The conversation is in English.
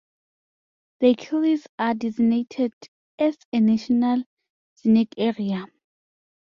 The Kyles are designated as a National Scenic Area.